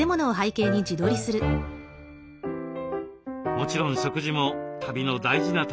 もちろん食事も旅の大事な楽しみ。